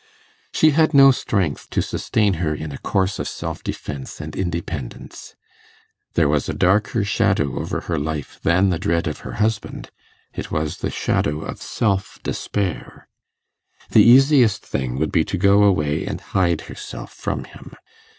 She had no strength to sustain her in a course of self defence and independence: there was a darker shadow over her life than the dread of her husband it was the shadow of self despair. The easiest thing would be to go away and hide herself from him.